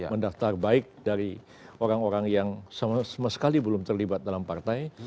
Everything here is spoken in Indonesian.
mendaftar baik dari orang orang yang sama sekali belum terlibat dalam partai